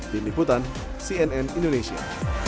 tim liputan cnn indonesia